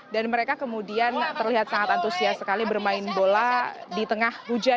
dan mereka kemudian terlihat sangat antusias sekali bermain bola di tengah hujan